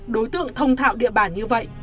đối tượng thông thạo địa bàn như vậy